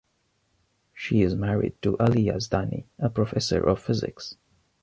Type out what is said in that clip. She is married to Ali Yazdani, a professor of physics.